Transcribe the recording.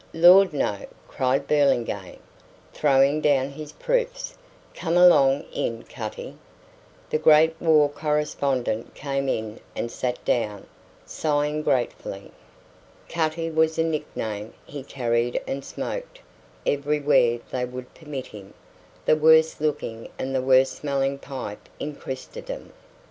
"Lord, no!" cried Burlingame, throwing down his proofs. "Come along in, Cutty." The great war correspondent came in and sat down, sighing gratefully. Cutty was a nickname; he carried and smoked everywhere they would permit him the worst looking and the worst smelling pipe in Christendom.